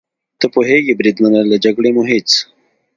ته پوهېږې بریدمنه، له جګړې مو هېڅ.